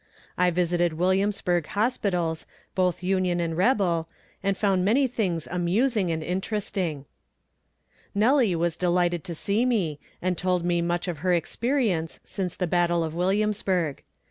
I visited Williamsburg Hospitals, both Union and rebel, and found many things amusing and interesting. Nellie was delighted to see me, and told me much of her experience since the battle of Williamsburg.